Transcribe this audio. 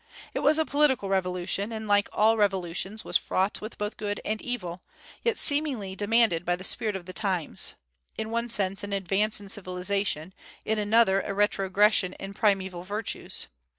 It was a political revolution, and like all revolutions was fraught with both good and evil, yet seemingly demanded by the spirit of the times, in one sense an advance in civilization, in another a retrogression in primeval virtues.